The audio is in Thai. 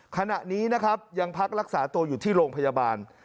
ขณะนี้นะครับยังพักรักษาตัวอยู่ที่โรงพยาบาล